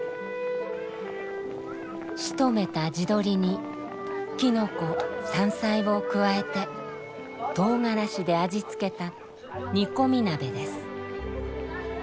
しとめた地鶏にキノコ山菜を加えて唐辛子で味付けた煮込み鍋です。